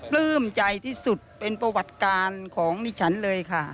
ปลื้มใจที่สุดเป็นประวัติการของดิฉันเลยค่ะ